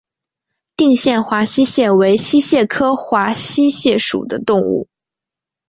定县华溪蟹为溪蟹科华溪蟹属的动物。